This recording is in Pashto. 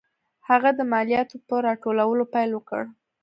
هغه د مالیاتو په راټولولو پیل وکړ.